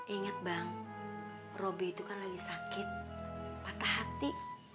ingat bang robe itu kan lagi sakit patah hati